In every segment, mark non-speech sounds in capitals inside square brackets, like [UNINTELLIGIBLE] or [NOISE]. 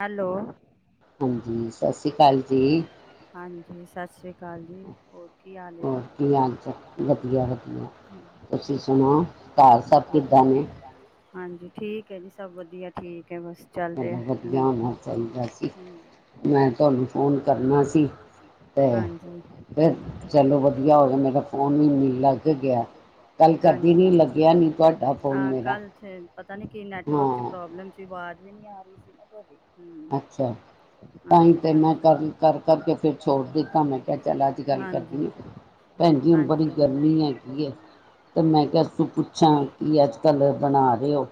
Hello. ਸਤਿ ਸ੍ਰੀ ਅਕਾਲ ਜੀ। ਸਤਿ ਸ਼੍ਰੀ ਅਕਾਲ। ਹੋਰ ਕੀ ਹਾਲ-ਚਾਲ ਵਧੀਆ- ਵਧੀਆ ਤੁਸੀਂ ਸੁਣਾਓ? ਘਰ ਸਭ ਕਿੱਦਾਂ ਨੇ? ਹਾਂਜੀ ਠੀਕ ਹੈ ਜੀ, ਸਭ ਵਧੀਆ ਠੀਕ। ਬਸ ਚੱਲਦੇ ਆ, ਹਾਂਜੀ ਹਾਂ। ਹਾਂਜੀ,। ਹਾਂਜੀ। ਕਾਲ ਪਤਾ ਨੀ ਕੀ ਨੈਟਵਰਕ ਚ ਪ੍ਰੋਬਲਮ ਸੀ ਬਾਰ ਨੀ ਆ ਰਹੀ ਸੀ ਨਾ ਤੁਹਾਡੀ ਅੱਛਾ। ਤਾਈਂ ਤੇ ਮੈਂ ਕਰ-ਕਰ ਕਰਕੇ ਫਿਰ ਛੋੜ ਦਿੱਤਾ, ਮੈਂ ਕਿਹਾ ਚੱਲ ਅੱਜ ਗੱਲ ਕਰਦੀ ਆਂ। ਭੈਣ ਜੀ, ਹੁਣ ਬੜੀ ਗਰਮੀ ਹੈਗੀ ਏ, ਤੇ ਮੈਂ, ਕਿਹਾ ਉਸ ਤੋਂ ਪੁੱਛਾਂ ਕਿ ਅੱਜ- ਕੱਲ੍ਹ ਬਣਾ ਰਹੇ ਹੋ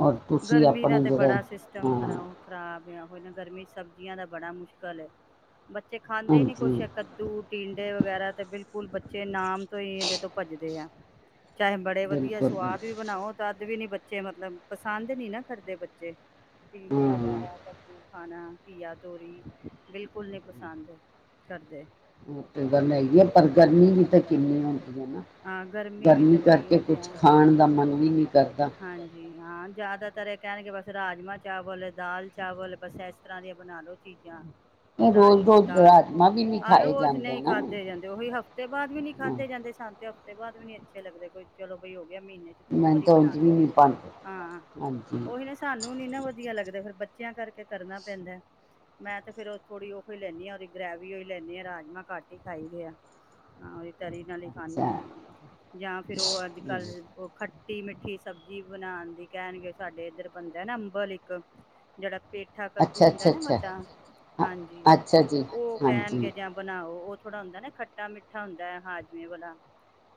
ਔਰ ਤੁਸੀਂ ਆਪਣੇ ਜਿਹੜੇ ਹਾਂ। ਆ ਗਿਆ, ਹੁਣ ਗਰਮੀ ਚ ਤਾਂ, ਸਭ ਸਬਜ਼ੀਆਂ ਦਾ ਬੜਾ ਮੁਸ਼ਕਿਲ ਏ ਬੱਚੇ ਖਾਂਦੇ ਹੀ ਨੀ ਕੁਛ ਕੱਦੂ ਟੀਂਡੇ ਵਗੈਰਾ ਤੇ, ਬਿਲਕੁਲ ਬੱਚੇ ਨਾਮ ਤੋਂ ਹੀ, ਇਹਦੇ ਤੋਂ ਭੱਜਦੇ ਐ। ਚਾਹੇ ਬੜੇ ਵਧੀਆ ਸਵਾਦ ਵੀ ਬਣਾਓ, ਤਾਂਦ ਵੀ ਨੀ ਬੱ ਬੱਚੇ ਮਤਲਬ ਪਸੰਦ ਨੀ ਨਾ ਕਰਦੇ ਬੱਚੇ ਟਿੰਡੇ ਵਗੈਰਾ ਕੱਦੂ ਹ ਨਾ ਘੀਆ, ਤੋਰੀ। ਬਿਲਕੁਲ ਨਹੀਂ ਪਸੰਦ। ਕਰਦੇ। ਹਾਂ, ਗਰਮੀ ਵੀ ਤੇ ਹਾ ਗਰਮੀ ਵੀ ਤੇ ਬੜੀ ਉਹ ਤੇ, ਗਰਮੀ ਚ ਕੁਝ ਖਾਣ ਦਾ ਮਨ ਵੀ ਨਹੀਂ ਕਰਦਾ। ਹਾਂਜੀ ਹਾਂ ਜਿਆਦਾਤਰ ਕਹਿਣਗੇ, ਬਸ ਰਾਜਮਾਂ- ਚਾਵਲ, ਦਾਲ-ਚਾਵਲ ਬਸ ਐ ਇਸ ਤਰ੍ਹਾਂ ਦੀਆਂ ਬਣਾ ਲੋ ਚੀਜ਼ਾਂ ਦਾਲ ਆਹ ਰੋਜ਼ ਨਹੀਂ ਖਾਧੇ ਜਾਂਦੇ ਉਹੀ ਹਫ਼ਤੇ ਬਾਅਦ ਵੀ ਨਹੀਂ ਖਾਧੇ ਜਾਂਦੇ ਸਾਨ। ਹੁਣ ਤੇ ਹਫ਼ਤੇ ਬਾਅਦ ਵੀ ਨੀ ਅੱਛੇ ਲੱਗਦੇ ਕੋਈ ਚਲੋ ਬਈ ਮਹੀਨੇ ਚ ਦੋ ਵਾਰੀ ਬਣਾ ਲੋ ਹਾਂ ਉਹੀ ਨਾ ਸਾਨੂੰ ਨੀ ਨਾ ਵਧੀਆ ਲੱਗਦਾ ਫਿਰ ਬਚ ਬੱਚਿਆਂ ਕਰਕੇ ਕਰਨਾ ਪੈਂਦਾ ਮੈਂ ਤੇ ਫਿਰ ਥੋੜ੍ਹੀ ਉਹ ਹੀ ਲੈਂਦੀ ਆ ਉਹਦੀ ਗ੍ਰੈਵੀ ਹੋਈ ਲੈਂਦੀ ਆ ਰਾਜਮਾਂ ਕੱਟ ਹੀ ਖਾਈ ਦੇ ਆ। ਤਰੀ ਨਾਲ ਹੀ ਖਾਨੀ ਹਾਂ ਜਾਂ ਫਿਰ ਉਹ ਅੱਜ ਕੱਲ ਉਹ ਖ ਖੱਟੀ ਮਿੱਠੀ ਸਬਜ਼ੀ ਬਣਾਉਣ ਦੀ ਕਹਿਣਗੇ ਸਾਡੇ ਇੱਧਰ ਬਣਦਾ ਨਾ ਅੰਬਲ ਇੱਕ ਜਿਹੜਾ ਪੇਠਾ ਅੱਛਾ ਅੱਛਾ ਹੁੰਦਾ ਨਾ ਵੱਡਾ ਹਾਂਜੀ ਉਹ ਕਹਿਣਗੇ ਜਾਂ ਬਣਾਓ ਉਹ ਥੋੜਾ ਹੁੰਦਾ ਨਾ ਖੱਟਾ ਮਿੱਠਾ ਹੁੰਦਾ ਹੈ‌, ਹਾਜਮੇ ਵਾਲਾ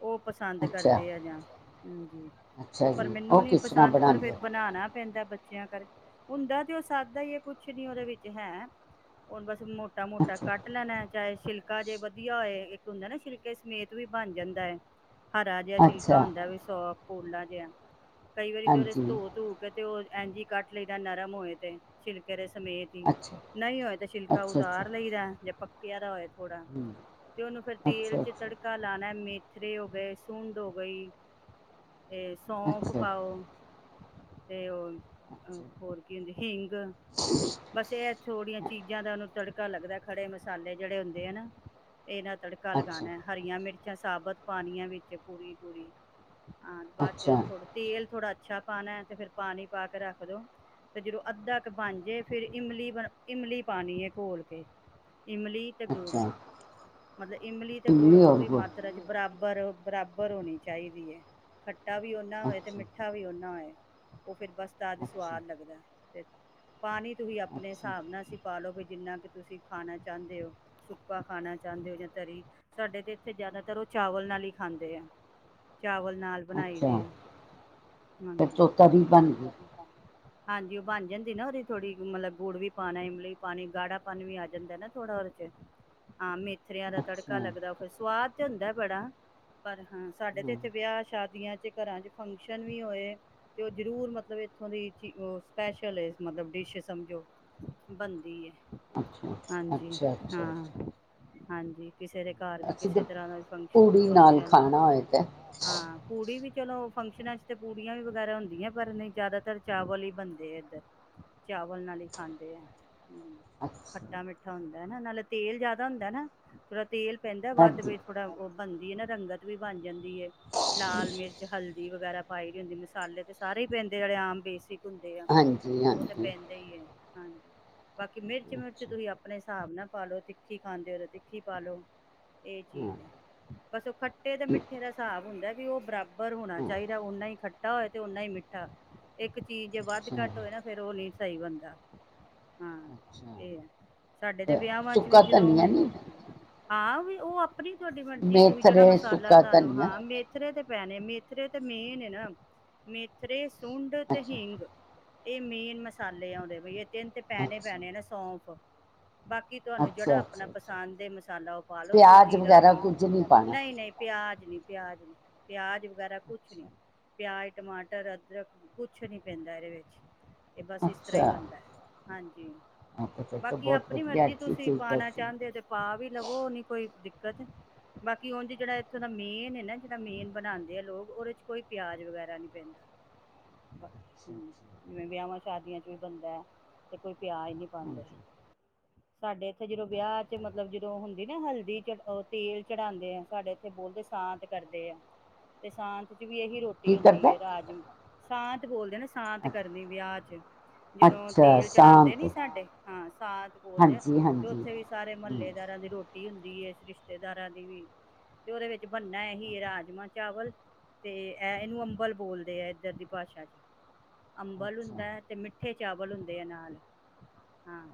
ਉਹ ਪਸੰਦ ਕਰਦੇ ਆ ਜਾਂ ਹੂੰ ਹੂੰ ਉਹ ਪਰ ਮੈਨੂੰ ਨੀ ਪਸੰਦ ਪਰ ਫਿਰ ਬਣਾਣਾ ਪੈਂਦਾ। ਬੱਚਿਆਂ ਕਰਕੇ ਹੁੰਦਾ ਤੇ ਉਹ ਸਾਦਾ ਹੀ ਹੈ ਕੁਛ ਕੁਛ ਨਹੀਂ ਉਹਦੇ ਵਿੱਚ ਹੈ ਹੁਰ ਬਸ ਮੋ ਮੋਟਾ ਮੋਟਾ ਕੱਟ ਲੈਣਾ ਚਾਹੇ ਸਿਲਕਾ ਜੇ ਵਧੀਆ ਹੋਏ ਹੁੰਦਾ ਨਾ ਛਿਲਕੇ ਸਮੇਤ ਵੀ ਬਣ ਜਾਂਦਾ ਏ ਹਰਾ ਜਿਹਾ ਛਿਲਕਾ ਹੁੰਦਾ ਵੀ ਸੌਕ ਕੂਲਾ ਜਿਹਾ ਕਈ ਵਾਰੀ ਤੇ ਉਹਦੇ ਧੋ ਧੋ ਕੇ ਤੇ ਉਹ ਇੰਜੀ ਕੱਟ ਲਈ ਤਾਂ ਨਰਮ ਹੋਏ ਛਿਲਕੇ ਕਰ ਸਮੇਤ ਹੀ ਨਹੀਂ ਹੋਏ ਤਾਂ ਛਿਲਕਾ ਉਤਾਰ ਲਈ ਦਾ ਜੇ ਪ ਪਿਆਰਾ ਹੋਇਆ ਥੋੜਾ ਤੇ ਉਹਨੂੰ ਫੇਿਰ ਤੇਲ ਚ ਤੜਕਾ ਲਾਣਾ ਮੇ ਮੇਥਰੇ ਹੋ ਗਏ ਸੁੰਡ ਹੋ ਗਈ ਇਹ ਸੌਂਫ ਪਾਓ ਤੇ ਉਹ ਹ ਹੋਰ ਕੀ ਹੁੰਦੇ ਹਿੰਗ ਬਸ ਇਹ ਥੋੜੀਆਂ ਚੀਜ਼ਾਂ ਦਾ ਉਹਨੂੰ ਤੜਕਾ ਪਕਾ ਲੱਗਦਾ ਖੜੇ ਮਸਾਲੇ ਜਿਹੜੇ ਹੁੰਦੇ ਆ ਨਾ ਇਹ ਨਾ ਤੜਕਾ ਲਗਾਉਣਾ ਹਰੀਆਂ ਮਿਰਚ ਜਾਂ ਸਾਬਤ ਪਾਣੀੀਆਂ ਵਿੱਚ ਪੂਰੀ ਪੂਰੀ ਹਾਂ ਬਾਅਦ ਚ ਥੋੜਾ ਤੇਲ ਥੋੜ੍ਹਾ ਅੱਛਾ ਪਾਣਾ ਤੇ ਫਿਰ ਪਾਣੀ ਪਾ ਕੇ ਰੱਖ ਦੋ ਤੇ ਜਦੋਂ ਅੱਧਾ ਕੁ ਬਣ ਜੇ ਫਿਰ ਇਮਲੀ ਬ ਇਮਲੀ ਪਾਣੀ ਹੈ ਘੋਲ ਕੇ ਇਮਲੀ ਤੇ ਗੁੜ ਮਤਲਬ ਇਮਲੀ ਤੇ ਗੁੜ ਪੂਰੀ ਮਾਤਰਾ ਚ ਬਰਾਬ ਬਰਾਬਰ ਹੋਣੀ ਚਾਹੀਦੀ ਹੈ ਆਟਾ ਵੀ ਓਨਾ ਹੋਏ ਤੇ ਮਿੱਠਾ ਵੀ ਓਨਾ ਹੋਏ ਫਰ ਬਸ ਤਾਜ ਸਵਾਦ ਲੱਗਦਾ ਤੇ ਪਾਣੀ ਤੁਸੀਂ ਆਪਣੇ ਹਿਸਾਬ ਨਾਲ ਅਸੀਂ ਪਾਾਲੋਗੇ ਜਿੰਨਾ ਕੁ ਤੁਸੀਂ ਖਾਣਾ ਚਾਹੁੰਦੇ ਹੋ ਸੁੱਕਾ ਖਾਣਾ ਚਾਹੁੰਦੇ ਹੋ ਜਾਂ ਤਰੀ ਸਾਡੇ ਤਾਂ ਇੱਥੇ ਜ਼ਿਆਦਾਤਰ ਉਹ ਚਾਵਲ ਨਾਲ ਹੀ ਖਾਂਦੇ ਹੈ ਚਾਵਲ ਨਾਲ ਬਣਾਈ ਦੇ ਆ ਹਾਂਜੀ ਹਾਂਜੀ ਉਹ ਬਣ ਜਾਂਦੀ ਨਾ ਉਹਦੇ ਥੋੜੀ ਮਤਲਬ ਗੁੜ ਵੀ ਪਾਣਾ ਬ ਪਾਣੀ ਗਾੜਾ ਪਾਨ ਵੀ ਆ ਜਾਂਦਾ ਨਾ ਥੋੜਾ ਉਹਦੇ ਚ ਹਾਂ ਮੇ ਪੱਥਰਿਆਂ ਦਾ ਤੜਕਾ ਲੱਗਦਾ ਫਿਰ ਸਵਾਦ ਤਾਂ ਹੁੰਦਾ ਬੜਾ ਪਰ ਹਾਂ ਸਾਡੇ ਤੇ ਇੱਥੇ ਵਿਆਹ ਸ਼ਾਦੀਆਂ ਚ ਘਰਾਂ ਚ ਫੰਕਸ਼ਨ ਵੀ ਹੋਏ ਤੇ ਉਹ ਜਰੂਰ ਮਤਲਬ ਇੱਥੋਂ ਦੀ ਸਪੈਸ਼ਲ ਮਤਲਬ ਡਿਸ਼ ਸਮਝੋ ਬਣਦੀ ਹੈ ਹਾਂਜੀ ਹਾਂ ਹਾਂਜੀ ਕਿਸੇ ਦੇ ਘਰ ਵੀ ਕਿਸੇ ਤਰ੍ਹਾਂ ਦਾ ਵੀ ਫੰਕ ਫੰਕਸ਼ਨ ਹਾਂ ਕੁੂੜੀ ਵੀ ਚਲੋ ਫੰਕਸ਼ਨਾਂ ਚ ਤੇ ਪੂੜੀਆਂ ਵੀ ਵਗੈਰਾ ਹੁੰਦੀਆਂ ਪਰ ਨਹੀਂ ਜ਼ਿਆਦਾਤਰ ਚਾਵਲ ਹੀ ਬਣਦੇ ਹੈ ਇੱਧਰ ਚਾਵਲ ਨਾਲ ਹੀ ਖਾਂਦੇ ਆ ਹਮ ਖੱਟਾ ਮਿੱਠਾ ਹੁੰਦਾ ਹਨਾ ਨਾਲੇ ਤੇਲ ਜਿਆਦਾ ਹੁੰਦਾ ਨਾ ੜਰਾ ਤੇਲ ਪੈਂਦਾ ਬਾੱਧ ਵਿੱਚ ਥੋੜ੍ਹਾ ਉਹ ਬਣਦੀ ਹੈ ਨਾ ਰੰਗਤ ਵੀ ਬਣ ਜਾਂਦੀ ਹੈ ਲਾਲ ਮਿਰਚ ਹਲਦੀ ਵਗੈਰਾ ਪਾਈ ਦੀ ਹੁੰਦੀ ਮਸਾਲੇ ਤੇ ਸਾਰੇ ਹੀ ਪੈਂਦੇ ਜਿਹੜੇ ਆਮ ਬੇਸਿਕ ਹੁੰਦੇ ਆ ਉਹ ਤਾਂ ਪੈਂਦੇ ਹੀ ਹੈ ਹਾਂਜੀ ਬਾਕੀ ਮਿਰਚ ਮਿਰਚ ਤੁਸੀਂ ਆਪਣੇ ਹਿਸਾਬ ਨਾਲ ਪਾਾਲੋ ਤਿੱਖੀ ਖਾਂਦੇ ਹੋ ਤਾਂ ਤਿੱਖੀ ਪਾ ਲਓ ਇਹ ਚੀਜ਼ ਹੈ ਬਸ ਉਹ ਖੱਟੇ ਤੇ ਮਿੱਠੇ ਦਾ ਹਿਸਾਬ ਹੁੰਦਾ ਪਓ ਬਰਾ ਰ ਹੋਣਾ ਚਾਹੀਦਾ ਉਨਾ ਹੀ ਖੱਟਾ ਹੋਇ ਤੇ ਓਨਾ ਹੀ ਮਿੱਠਾ ਇੱਕ ਚੀਜ਼ ਜੇ ਵੱਧ ਘੱਟ ਹੋਏ ਨਾ ਫੇਿਰ ਉਹ ਲ ਸਈਵੰਦਾ ਹਾਂ ਇਹ ਆ ਸਾਡੇ ਤੇ ਵਿਆਹਾਂ ਚ ਵੀ ਜਦੋਂ ਹੁ ਹਾਂ ਵੀ ਉਹ ਆਪਣੀ ਤੁਹਾਡੀ ਮਰਜ਼ੀ ਤੁਸੀਂ ਜਿਹੜਾ ਮਸਾਲਾ ਤੁਹਾਨੂੰ ਹਾਂ ਮੇਥਰੇ ਤੇ ਪੈਣੇ ਮੇਥਰੇ ਤੇ ਮੇਨ ਨੇ ਨਾ ਮੇਥਰੇ ਸੁੰਡ ਤੇ ਹੀਂਗ ਇਹ ਮੇਨ ਮਸ ਮਸਾਲੇ ਆਉਂਦੇ ਬਈ ਤਿੰਨ ਤੇ ਪੈਣੇ ਪੈਣੇ ਨਾ ਸੌਂਫ ਬਾਕੀ ਤੁਹਾਨੂੰ ਜਿਹੜਾ ਆਪਣਾ ਪਸੰਦ ਹੈ ਮਸਾਲਾ ਉਹ ਪਾ ਲੋੋ ਤੁਸੀਂ ਜੀਰਾ ਵੀ ਨਹੀਂ ਨਹੀਂ ਪਿਆਜ ਨੀ ਪਿਆਜ ਪਿਆਜ ਵਗੈਰਾ ਕੁਛ ਨਹੀਂ ਪਿਆਜ਼ ਟਮਾਟਰ ਅਦਰਕ ਕੁਛ ਨਹੀਂ ਪੈਂਦਾ ਇਹਦੇ ਵਿੱਚ ਇਹ ਬਸ ਇਸ ਤਰ੍ਹਾਂ ਹੀ ਬਣਦਾ ਹਾਂਜੀ ਬਾਕੀ ਆਪਣੀ ਮਰਜ਼ੀ ਤੁਸੀਂ ਪਾਉਣਾ ਚਾਹੁੰਦੇ ਤੇ ਪਾ ਵੀ ਲਵੋ ਨਹੀਂ ਕੋਈ ਬਾਕੀ ਉੰਝ ਜਿਹੜਾ ਇੱਥੋਂ ਦਾ ਮੇਨ ਹੈ ਨਾ ਜਿਹੜਾ ਮੇਨ ਬਣਾਉਂਦੇ ਆ ਲੋਕ ਉਹਦੇ ਚ ਕੋਈ ਪਿਆਜ ਵਗੈਰਾ ਨੀ ਪੈਂਦਾ [UNINTELLIGIBLE] ਸ਼ਾਦੀਆਂ ਚ ਵੀ ਬਣਦਾ ਤੇ ਕੋਈ ਪਿਆਜ ਨਹੀਂੀ ਪਾਉਂਦੇ ਸਾਡੇ ਇੱਥੇ ਜਦੋਂ ਵਿਆਹ ਚ ਮਤਲਬ ਹੁੰਦੀ ਨਾ ਹਲਦੀ ਚ ਤੇਲ ਚੜਾਉਂਦੇ ਆ ਸਾਡੇ ਇੱਥੇ ਬੋਲਦੇ ਸਾਂਤ ਕਰਦੇ ਆ ਤੇ ਸਾਂਤ ਵੀ ਇਹੀ ਰੋਟੀ ਹੁੰਦੀ ਹੈ ਰਾਜਮ ਸਾਂਤ ਬੋਲਦੇ ਨਾ ਸਾਂਤ ਕਰਨੀ ਵਿਆਹ 'ਚ ਜਦੋਂ ਤੇਲ ਚੜਾਉਂਦੇ ਨੀ ਸਾਡੇ ਹਾਂ ਸਾਂਤ ਬੋਲਦੇ ਆ ਤੇ ਉੱਥੇ ਵੀ ਸਾਰੇ ਮਹੱਲੇਦਾਰਾਂ ਦੀ ਰੋਟੀ ਰੋਟੀ ਹੁੰਦੀ ਹੈ ਇਸ ਰਿਸ਼ਤੇਦਾਰਾਂ ਦੀ ਵੀ ਤੇ ਉਹਦੇ ਵਿੱਚ ਬਣਨਾ ਇਹ ਹੀ ਰਾਜਮਾਂ ਚਾਵਲ ਤੇ ਇਹ ਇਹਨੂੰ ਅੰਬਲ ਬੋਲਦੇ ਆ ਇਧਰ ਦੀ ਭਾਸ਼ਾ ਚ ਅੰਬਲ ਹੁੰਦਾ ਹੈ ਮਿੱਠੇ ਚਾਵਲ ਹੁੰਦੇ ਆ ਨਾਲ ਹਾਂ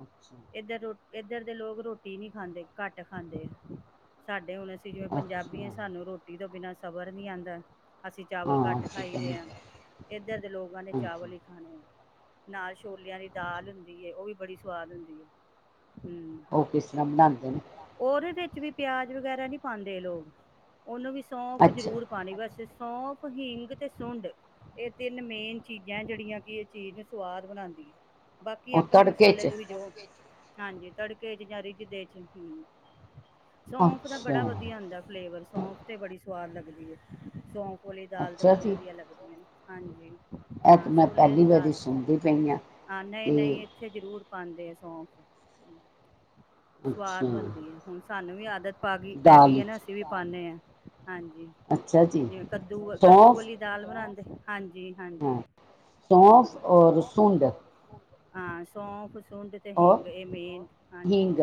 ਇਧਰ ਇੱਧਰ ਦੇ ਲੋਕ ਰੋਟੀ ਨਹੀਂ ਖਾਂਦੇ ਘੱਟ ਖਾਂਦੇ ਆ ਸਾਡੇ ਹੁਣ ਅਸੀਂ ਜਿਵੇਂ ਪੰਜਾਬੀ ਸਾਨੂੰ ਰੋਟੀ ਤੋਂ ਬਿਨਾਂ ਸਬਰ ਨਹੀਂ ਆਉਂਦਾ ਅਸੀਂ ਚਾਵਲ ਘੱਟ ਖਾਈ ਦੇ ਇੱਧਰ ਦੇ ਲੋਕਾਂ ਨੇ ਚਾਵਲ ਹੀ ਖਾਣੇ ਆ ਨਾਲ ਛੋਲਿਆਂ ਦੀ ਦਾਲ ਹੁੰਦੀ ਉਹ ਵੀ ਬੜੀ ਸੁਆਦ ਹੁੰਦੀ ਹੈ ਉਹ ਕਿਸ ਤਰ੍ਹਾਂ ਬਣਾਉਦੇ ਨੇ ਪਿਆਜ ਵਗੈਰਾ ਨੀ ਪਾਉਂਦੇ ਲੋਕ ਉਹਨੂੰ ਵੀ ਸੌਂਫ ਜ਼ਰੂਰ ਪਾਉਣੀ ਵੈਸੇ ਸੌਂਫ ਹੀਿੰਗ ਤੇ ਸੁੰਡ ਇਹ ਤਿੰਨ ਮੇਨ ਚੀਜ਼ਾਂ ਜਿਹੜੀਆਂ ਕਿ ਇਹ ਚੀਜ਼ ਸਵਾਦ ਬਣਾਉਂਦੀ ਹੈ ਬਾਕੀ ਆਪਣੇ ਮਸਾਲੇ ਤੁਸੀ ਜਾਵ ਹਾਂਜੀ ਤੜਕੇ ਚ ਜਾਂ ਰਿੱਝਦੇ ਚ ਹਮ ਸੌਂਫ ਦਾ ਬੜਾ ਵਧੀਆ ਹੁੰਦਾ ਫਲੇਵਰ ਸੌਫ ਤੇ ਬੜੀ ਸਵਾਦ ਲ ਏ ਸੋ ਕੋਲੀ ਦਾਲ ਤਾਂ ਬੜੀ ਵਧੀਆ ਲੱਗਦੀ ਨੇ ਹਾਂਜੀ ਐ ਤੇ ਮੈਂ ਪੈਲੀ ਵਾਰੀ ਸੁਣਦੀ ਹਾਂ, ਨਹੀਂ ਨਹੀਂ ਇੱਥੇ ਜ਼ਰੂਰ ਪਾਂਦ ਦੇ ਸੌਂਫ। ਸਵਾਦ ਬਣਦੀ ਐ ਹੁਣ ਸਾਨੂੰ ਵੀ ਵੀ ਆਦਤ ਪਾ ਗਈ ਪੈ ਗਈ ਏ ਨਾ ਅਸੀਂ ਵੀ ਪਾਣੇ ਆਂ। ਹਾਂਜੀ, ਜਿਵੇਂ ਕੱਦੂ ਕੱਦੂ ਵਾਲੀ ਦਾਲ ਬਣਾਂਦ ਤੇ ਹਾਂਜੀ ਹਾਂਜੀ, ਹਾਂ। ਔਰ ਸੁੰਡ। ਹਾਂ ਸੌਫ਼ ਸ ਸੁੰਡ ਤੇ ਹਿੰਗ ਏਹ ਮੇਨ ਹਾਂਜੀ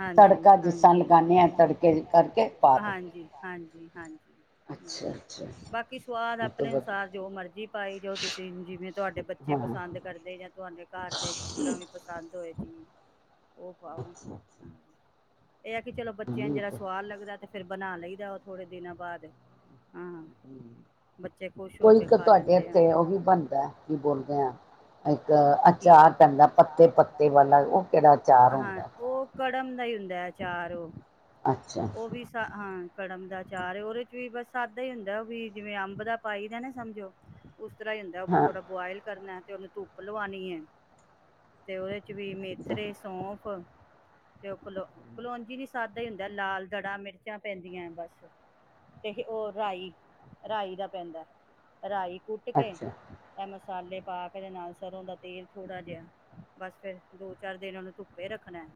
ਹਾਂਜੀ ਹਾਂਜੀ ਹਾਂਜੀ ਹਾਂਜੀ। ਜੀ ਹਾਂਜੀ। ਹੂੰ ਬਾਕੀ ਸਵਾਦ ਆਪਣੇ ਅਨੁਸਾਰ ਜੋ ਮਰਜ਼ੀ ਪਾਈ ਜੋ ਤੁਸੀਂ, ਜਿਵੇਂ ਤੁਵਾਡੇ ਬੱਚੇ ਪਸੰਦ ਕਰਦੇ ਜਾਂ ਤੁਵਾਡੇ ਘਰ ਦੇ ਜਿਸ ਤਰ੍ਹਾਂ ਵੀ ਪਸੰਦ ਹੋਏ ਓਹ ਪਾਓ। ਏਹ ਹੈ ਕਿ ਚਲੋ ਬੱਚਿਆਂ ਨੂੰ ਜਿਰਾ ਸਵਾਦ ਲੱਗਦੈ ਤੇ ਫੇਰ ਬਣਾ ਲਈਦੈ ਔ ਥੋੜੇ ਦਿਨਾਂ ਬਾਦ। ਹੂੰ, ਕੋਈ ਇੱਕ ਤੁਵਾਡੇ ਏਥੇ ਔ ਵੀ ਬਣਦੈ ਕੀ ਬੋਲਦੇ ਆ ਇੱਕ ਅਚਾਰ ਪੈਂਦਾ ਪੱਤੇ ਪੱਤੇ ਵਾਲਾ ਓਹ ਕੇੜਾ ਅਚਾਰ ਹੁੰਦੈ। ਕੜਮ ਦਾ ਹੀ ਹੁੰਦੈ ਅਚਾਰ ਔ। ਔ ਵੀ ਸਾ--ਹਾਂ। ਕੜਮ ਦਾ ਅਚਾਰ ਏ ਔਦੇ ਚ ਵੀ ਬਸ ਸਾਦਾ ਈ ਹੁੰਦੈ ਔ ਵੀ ਜਿਵੇਂ ਅੰਬ ਦਾ ਪਾਈ ਦਾ ਨਾ ਸਮਝੋ ਉਸ ਤਰ੍ਹਾਂ ਹੀ ਹੁੰਦਾ ਔ। ਥੋੜਾ ਬੋਇਲ ਕਰਨਾ। ਤੇ ਔਨੂੰ ਧੁੱਪ ਲਵਾਣੀ ਏ, ਤੇ ਔਦੇ ਵੀ ਮੇਥਰੇ ਸੌਂਪ ਕਲੋਜੀ ਦੀ ਸਾਦਾ ਹੀ ਹੁੰਦਾ ਲਾਲ ਦੜਾ ਮਿਰਚਾਂ ਪੈਂਦੀਆਂ ਬਸ ਇਹ ਉਹ ਰਾਈ ਰਾਈ ਦਾ ਪੈਂਦਾ। ਰਾਈ ਕੁੱਟ ਕੇ ਮਸਾਲੇ ਪਾ ਕੇ ਇਹਦੇ ਨਾਲ ਸਰੋਂ ਦਾ ਤੇਲ ਥੋੜਾ ਜਿਹਾ ਬਸ ਫਿਰ ਦੋ ਚਾਰ ਦਿਨਾਂ ਨੂੰ ਧੁੱਪੇ ਰੱਖਣਾ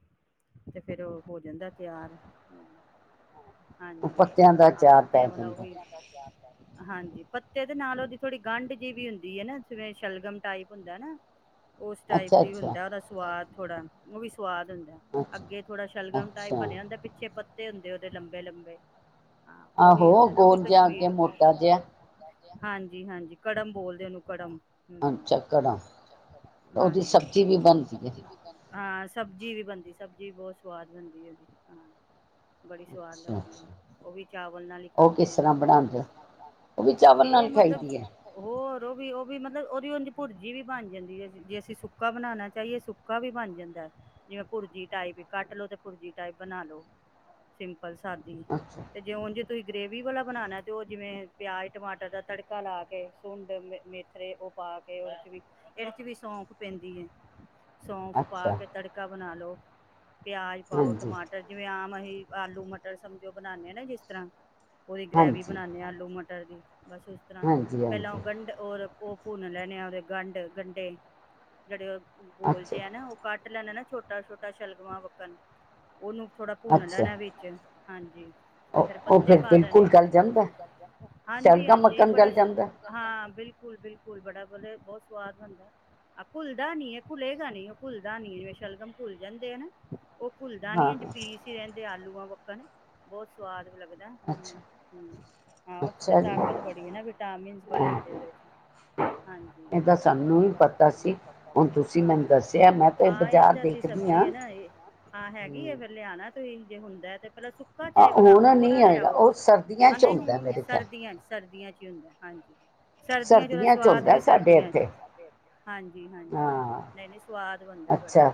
ਤੇ ਫਿਰ ਭੋਜਨ ਦਾ ਤਿਆਰ ਹਾਂਜੀ ਹਾਂ ਪੱਤਿਆਂ ਵਾਲਾ ਔਹੀ ਹਾਂਜੀ ਪੱਤੇ ਦੇ ਨਾਲ ਉਹਦੀ ਥੋੜੀ ਗੰਢ ਜੀ ਵੀ ਹੁੰਦੀ ਹੈ, ਨਾ ਜਿਵੇਂ ਸ਼ਲਗਮ ਟਾਈਪ ਹੁੰਦਾ ਨਾ ਉਸ ਟਾਈਪ ਦੀ ਹੁੰਦਾ ਉਹਦਾ ਸਵਾਦ ਥੋੜਾ ਉਹ ਵੀ ਸੁਵਾਦ ਅੱਗੇ ਥੋੜਾ ਸ਼ਲਗਮ ਟਾਈਪ ਬਣਿਆ ਹੁੰਦਾ ਪਿੱਛੇ ਹੁੰਦੇ ਉਹਦੇ ਲੰਬੇ-ਲੰਬੇ ਹਾਂ ਉਹੀ ਹੁੰਦਾ ਨਾ ਉਹ ਵੀ ਕਸ਼ਮੀਰ ਹਾਂਜੀ-ਹਾਂਜੀ ਕੜਮ ਬੋਲਦੇ ਉਹਨੂੰ ਕੜਮ ਅੱਛਾ, ਕੜਾ ਉਹਦੀ ਸਬਜ਼ੀ ਵੀ ਬਣਦੀ ਹੈ ਹਾਂ ਸਬਜ਼ੀ ਵੀ ਬਣਦੀ ਸਬਜ਼ੀ ਵੀ ਬਹੁਤ ਸਵਾਦ ਬਣਦੀ ਉਹਦੀ ਹਾਂ ਬੜੀ ਸਵਾਦ ਲਗਦੀ ਆ ਉਹ ਵੀ ਚਾਵਲ ਨਾਲ ਹੀ ਖਾਂਦੇ ਆ, ਉਹ ਮਤਲਬ ਹੋਰ ਵੀ ਉਹ ਵੀ ਮਤਲਬ ਉਹ ਦੀ ਭੁਰਜੀ ਵੀ ਬਣ ਜਾਂਦੀ ਹੈ, ਜੇ ਅਸੀਂ ਸੁੱਕਾ ਬਣਾਣਾ ਚਾਹੀਏ ਸੁੱਕਾ ਵੀ ਬਣ ਜਾਂਦਾ ਜਿਵੇਂ, ਭੁਰਜੀ ਟਾਈਪ ਕੱਟ ਲੋੋ ਤੇ ਭੁਰਜੀ ਟਾਈਪ ਬਣਾ ਲੋੋ ਸਿੰਪਲ ਸਾਦੀ, ਤੇ ਜੇਉ ਜੇ ਤੁਸੀਂ ਗਰੇਵੀ ਵਾਲਾ ਬਣਾਉਣਾ ਤੇ ਉਹ ਜਿਵੇਂ ਪਿਆਜ਼ ਟਮਾਟਰ ਦਾ ਤੜਕਾ ਲਾ ਕੇ ਮੇਥਰੇ ਉਹ ਪਾ ਕੇ ਉਹਦੇ ਚ ਵੀ ਇਹਦੇ ਚ ਵੀ ਸੌਂਪ ਪੈਂਦੀ ਹੈ ਸੌਂਫ ਪਾ ਕੇ ਤੜਕਾ ਬਣਾ ਲਉ ਪਿਆਜ ਪਾਓ ਟਮਾਟਰ ਜਿਵੇਂ ਆਮ ਅਸੀਂ ਆਲੂ ਮਟਰ ਸਮਝੋ ਬਣਾਉਦੇ ਆ ਨਾ ਜਿਸ ਤਰ੍ਹਾਂ ਉਹਦੀ ਗਰੈਵੀ ਬਣਾਉਦੇ ਆਲੂ ਮਟਰ ਕਰ ਦੀ ਬਸ ਉਸ ਤਰ੍ਹਾਂ, ਪਹਿਲਾਂ ਰ ਉਹ ਭੁੰਨ ਲੈਣੇ ਆ ਉਹਦੇ ਗੰਢ, ਗੰਢੇ ਜਿਹੜੇ ਉਹ ਗੋਲ ਜੇ ਨਾ ਉਹ ਕੱਟ ਲੈਣਾ ਨਾ ਛੋਟਾ-ਛੋਟਾ ਸ਼ਲਗਮਾਂ ਵੱਕਣ ਉਹਨੂੰ ਥੋੜਾ ਭੁੰਨ ਲੈਣਾ ਵਿੱਚ ਹਾਂਜੀ ਤੇ ਫਿਰ ਪੱਤੇ ਪਾ ਦੇਣੇ ਆ ਹਾਂਜੀ-ਹਾਂਜੀ ਬੜਾ ਹਾਂ ਬਿਲਕੁਲ-ਬਿਲਕੁਲ ਬੜਾ ਬ ਬਹੁਤ ਸਵਾਦ ਹੁੰਦਾ ਆ, ਘੁੱਲਦਾ ਨਹੀਂ ਹੈ, ਘੁਲੇਗਾ ਨੀ ਉਹ ਘੁੱਲਦਾ ਨਹੀਂ ਜਿਵੇਂ ਸ਼ਲਗਮ ਘੁੱਲ ਜਾਂਦੇ ਹਨਾ ਉਹ ਘੁਲਦਾ ਨੀ ਅੱਜ ਪੀਸ ਹੀ ਰਹਿੰਦੇ ਆਲੂ ਕਣ ਬਹੁਤ ਸਵਾਦ ਹਾਂ, ਉੱਥੇ ਤਾਂ ਤਾਕਤ ਬੜੀ ਹੈ ਨਾ ਵਿਟਾਮਿਨ ਬੜੇ ਹੁੰਦੇ ਉਹਦੇ ਚ ਹਜੀ ਹਾਂ ਆ ਇਧਰ ਦੀ ਸਬਜ਼ ਆ ਨਾ ਹ ਹੈਗੀ ਐ ਫੇਰ ਲ ਆਉਣਾ ਹੀ ਜੇ ਹੁੰਦਾ ਹੈ ਤੇ ਪਲ ਸੁੱਕਾ ਚਾਏ ਬਣਾਓ ਥੋੜਾ ਲਿਆਓ ਆਨਾ ਹੁਣ ਸਰਦੀਆਂ ਚ ਸਰਦੀਆਂ ਚ ਹੀ ਹੁੰਦਾ ਹਾਂਜੀ। ਸਰਦੀਆਂ ਚ ਉਹਦਾ ਸਵਾਦ ਵੀ ਸਰਦੀਆਂ ਚ ਹਾਂਜੀ ਹਾਂਜੀ ਨਹੀਂ ਨਹੀਂ ਸਵਾਦ ਬਣਦਾ ਬੜਾ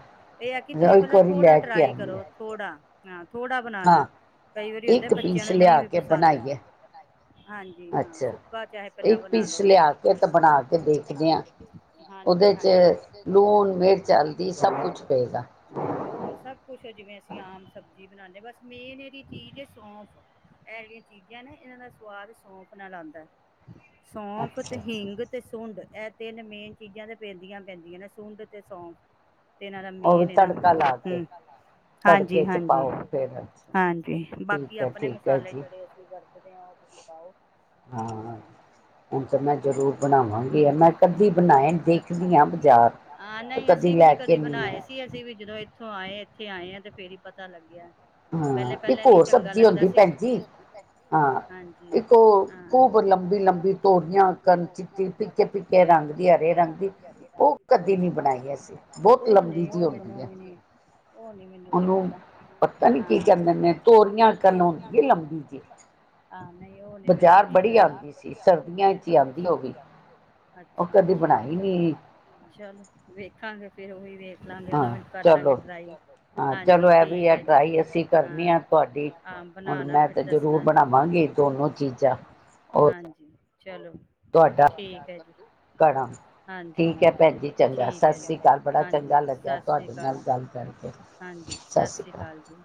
ਇਹ ਆ ਕਿ ਤੁਸੀਂ ਪਹਿਲਾਂ ਥੋੜਾ ਟਰਾਈ ਕਰੋ ਥੋੜਾ। ਨਾਲ। ਥੋੜਾ ਬਣਾਉਣਾ ਕਈ ਵਾਰੀ ਹੁੰਦਾ ਬੱਚਿਆਂ ਨੂੰ ਨਹੀਂ ਵੀ ਪਸੰਦ ਹੈ ਹਾਂਜੀ ਹਾਂ ਸੁੱਕਾ ਚਾਹੇ। ਪਹਿਲਾਂ ਬਣਾ ਲੋ ਇੱਕ ਪੀਸ ਲਿਆ ਕੇ ਫੇਰ ਬਣਾ ਕੇ ਦੇਖਦੇ ਹਾਂਜੀ ਹਾਂਜੀ ਉਹਦੇ ਚ ਲੂਣ ਮਿਰਚ ਹਲਦੀ ਸਭ ਕੁਝ ਪਏਗਾ ਹੋਰ ਸਭ ਕੁਛ ਜਿਵੇਂ ਅਸੀਂ ਆਮ। ਸਬਜ਼ੀ ਬਣਾ ਲੇ ਬਸ ਮੇਨ ਇਹ ਚੀਜ਼ ਸੌਫ ਇਹ ਜਿਹੜੀਆਂ ਚੀਜ਼ਾਂ ਨਾ ਇਹਨਾਂ ਦਾ ਸਵਾਦ ਸੌਫ ਨਾਲ ਆਉਂਦਾ। ਸੌਫ ਤੇ ਹਿੰਗ ਤੇ ਸੁੰਡ। ਤਿੰਨ ਮੇਨ ਚੀਜ਼ਾਂ ਤਾਂ ਪੈਂਦੀਆਂ ਪੈਂਦੀਆਂ ਨੇ ਸੁੰਡ ਅਤੇ ਸੌਂਫ। ਤੇ ਇਹਨਾਂ ਦਾ ਮੇਨ ਨਾ ਹੂੰ ਹਾਂਜੀ ਹਾਂਜੀ ਹਾਂਜੀ ਬਾਕੀ ਆਪਣੇ ਮਸਾਲੇ ਜਿਹੜੇ ਅਸੀਂ ਘਰ। ਤੁਸੀਂ ਉਹਦੇ ਵਿੱਚ ਪਾਓ ਹਾਂਜੀ। ਹਾਂ ਨਹੀਂ ਅਸੀਂ ਵੀ ਨੀ ਕਦੀ ਬਣਾਏ ਸੀ ਅਸੀਂ ਵੀ ਜਦੋਂ। ਇੱਥੋਂ ਆਏ ਇੱਥੇ ਆਏ ਆ ਤੇ ਫੇਰ ਹੀ ਪਤਾ ਲੱਗਿਆ। ਹਾਂ ਇੱਕ ਹੋਰ ਸਬਜ਼ੀ ਹੁੰਦੀ ਭੈਣ ਜੀ ਹਾਂ ਇੱਕ ਉਹ ਖੂਬ। ਲੰਬੀ ਲੰਬੀ ਤੋਰੀਆਂ ਕਰਨ ਚ ਫਿੱਕੇ ਫਿੱਕੇ ਰੰਗ ਦੀ ਹਰੇ ਰੰਗ ਦੀ ਉਹ ਕਦੀ ਨੀ ਬਣਾਈ ਅਸੀਂ ਬਹੁਤ ਲੰਬੀ ਜਿਹੀ ਹੁੰਦੀ ਹੈ। ਉਹ ਨੀ ਮੈਨੂੰ ਨੀ ਪਤਾ ਹਾਂ ਨਹੀਂ ਉਹ ਨੀ ਮੈਨੂੰ ਨੀ ਮੈਂ। ਅੱਛਾ ਅੱਛਾ ਚਲੋ ਵੇਖਾਂਗੇ। ਫੇਰ ਉਹੀ ਦੇਖ। ਲਗੇ ਦੋਂ ਕਰ ਲਾਂਗੇ ਟਰਾਈ ਹਾਂਜੀ ਠੀਕ ਆ ਹਾਂ ਬਣਾਣਾ ਫਿਰ ਦੱਸਣਾ ਜੀ ਹਾਂਜੀ। ਚਲੋ ਠੀਕ ਹੈ ਜੀ ਹਾਂਜੀ ਹਾਂ ਠੀਕ ਹੈ ਜੀ ਹਾਂਜੀ ਸਤਿ ਸ਼੍ਰੀ ਅਕਾਲ ਹਾਂਜੀ ਸਤਿ ਸ਼੍ਰੀ ਅਕਾਲ ਜੀ।